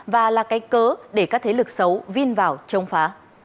và là cái cớ để các thế lực xấu vin vào chống phá